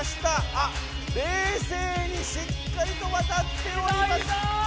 あっ冷静にしっかりとわたっております。